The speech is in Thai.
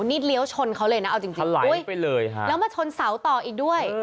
นี่เลี้ยวชนเขาเลยนะเอาจริงไหลไปเลยฮะแล้วมาชนเสาต่ออีกด้วย